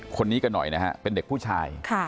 คนนี้กันหน่อยนะฮะเป็นเด็กผู้ชาย